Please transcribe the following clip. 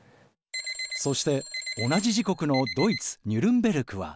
そして同じ時刻のドイツ・ニュルンベルクは。